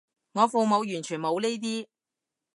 我父母完全冇呢啲